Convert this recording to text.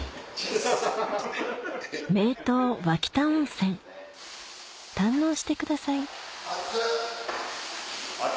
名湯脇田温泉堪能してください熱っ！